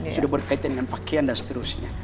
sudah berkaitan dengan pakaian dan seterusnya